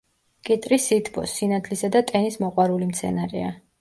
კიტრი სითბოს, სინათლისა და ტენის მოყვარული მცენარეა.